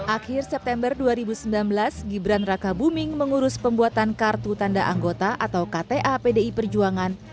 akhir september dua ribu sembilan belas gibran raka buming mengurus pembuatan kartu tanda anggota atau kta pdi perjuangan